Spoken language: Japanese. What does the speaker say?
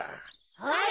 はい！